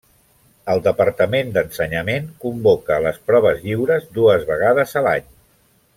El Departament d'Ensenyament convoca les proves lliures dues vegades a l'any.